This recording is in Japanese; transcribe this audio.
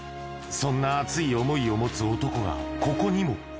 そんな熱い想いを持つ男が、ここにも。